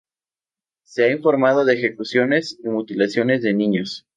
Se ha informado de ejecuciones y mutilaciones de niños.